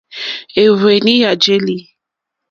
È ɱwèní à jèlí.